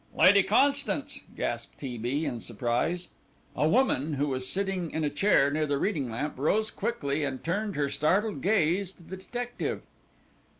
"Lady Constance!" gasped T. B. in surprise. A woman who was sitting in a chair near the reading lamp rose quickly and turned her startled gaze to the detective.